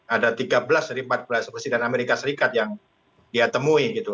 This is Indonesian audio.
ada tiga belas dari empat belas presiden amerika serikat yang dia temui gitu